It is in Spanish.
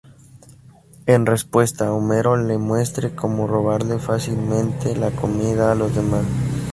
En respuesta, Homero le muestra como robarle fácilmente la comida a los demás.